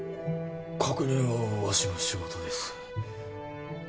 確認はわしの仕事です